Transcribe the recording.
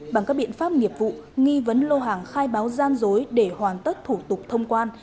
bằng các biện pháp nghiệp vụ nghi vấn lô hàng khai báo gian dối để hoàn tất thủ tục thông quan